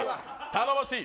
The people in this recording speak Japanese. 頼もしい。